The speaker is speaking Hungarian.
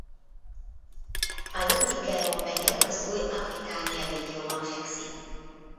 A Lot-et-Garonne megye az Új-Aquitania régióban fekszik.